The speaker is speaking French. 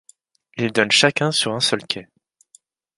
Ils donnent chacun sur un seul quai.